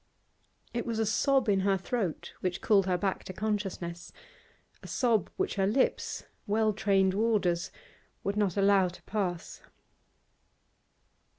It was a sob in her throat which called her back to consciousness, a sob which her lips, well trained warders, would not allow to pass.